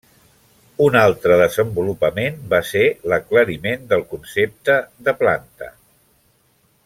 Un altre desenvolupament va ser l'aclariment del concepte de 'planta'.